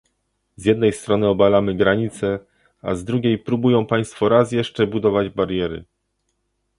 Z jednej strony obalamy granice, a z drugiej próbują Państwo raz jeszcze budować bariery